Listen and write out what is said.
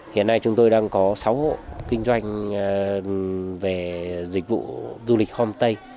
hiện nay chúng tôi đang có sáu hộ kinh doanh về dịch vụ du lịch homestay